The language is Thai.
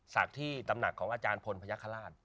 ศักดิ์ที่ตำหนักของอาจารย์พลพญาคลาด